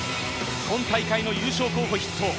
今大会の優勝候補筆頭。